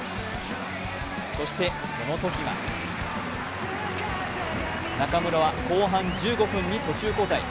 そして、そのときが中村は後半１５分に途中交代。